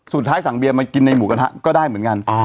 สั่งเบียร์มากินในหมูกระทะก็ได้เหมือนกัน